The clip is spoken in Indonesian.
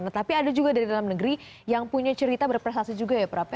tapi ada juga dari dalam negeri yang punya cerita berprestasi juga ya prap